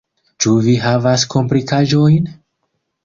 Ĉu vi havas komplikaĵojn?